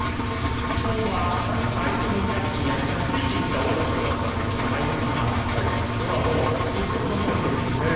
きのうはなんとか相手のいなしに足がついていった阿武咲ですが舞の海さん、きょうは終始阿武咲ペースしたね。